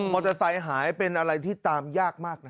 เตอร์ไซค์หายเป็นอะไรที่ตามยากมากนะ